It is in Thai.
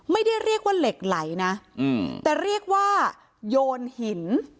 ไม่ได้เรียกว่าเหล็กไหลนะแต่เรียกว่าโยนหิน